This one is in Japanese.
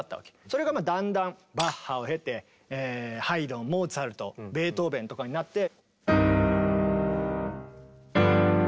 それがだんだんバッハを経てハイドンモーツァルトベートーベンとかになって。